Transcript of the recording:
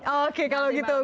oke kalau gitu